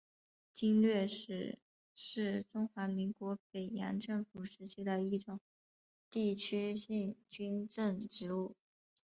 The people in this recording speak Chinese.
经略使是中华民国北洋政府时期的一种地区性军政职务。